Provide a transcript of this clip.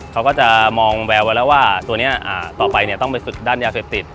เขาก็จะมองแววว่าตัวนี้ต้องไปฝึกด้านยาเฟตติส